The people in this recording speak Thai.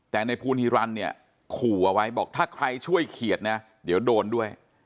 แต่ในภูลฮิรันดิเนี่ยขู่เอาไว้บอกถ้าใครช่วยเขียดนะเดี๋ยวโดนด้วย